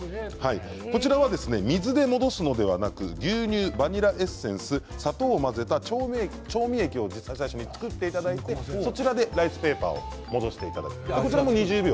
こちらは水で戻すのではなく牛乳、バニラエッセンス、砂糖を混ぜた調味液をいちばん最初に作っていただいてそちらでライスペーパーを戻していただきます。